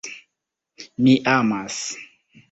Mi amas.